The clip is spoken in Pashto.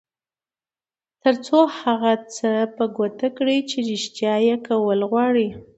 تر څو هغه څه په ګوته کړئ چې رېښتيا یې کول غواړئ.